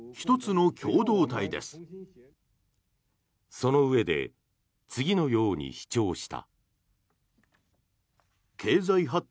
そのうえで次のように主張した。